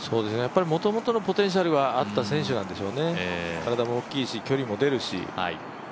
もともとのポテンシャルはあった選手なんでしょうね、体も大きいし、距離も出るし。